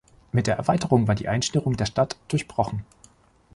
Mit der Erweiterung war die Einschnürung der Stadt durchbrochen.